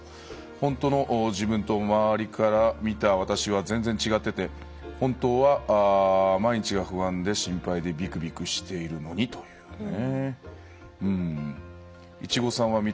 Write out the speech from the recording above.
本当の自分と周りから見た私は全然、違ってて本当は毎日が不安で心配でビクビクしているのにというね。